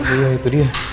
iya itu dia